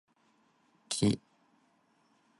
「奇」就是乙（日奇）、丙（月奇）、丁（星奇）三奇